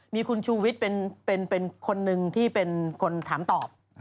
มีคุณชูวิทย์เป็นคนหนึ่งที่เป็นคนถามตอบ